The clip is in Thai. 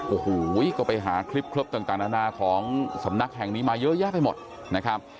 โอ้โหก็ไปหาคลิปครบต่างนานาของสำนักแห่งนี้มาเยอะแยะไปหมดนะครับ